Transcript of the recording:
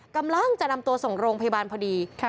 กำลังจะนำตัวส่งโรงพยาบาลพอดี